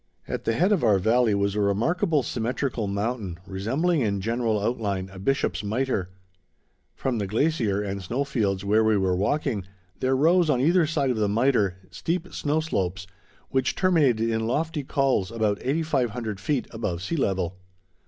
At the head of our valley was a remarkable, symmetrical mountain, resembling in general outline a bishop's mitre. From the glacier and snow fields where we were walking, there rose on either side of the Mitre, steep snow slopes, which terminated in lofty cols about 8500 feet above sea level.